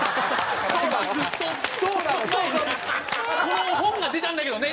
「この本が出たんだけどね」